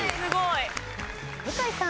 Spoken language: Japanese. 向井さん。